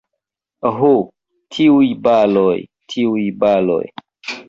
Ho, tiuj baloj, tiuj baloj!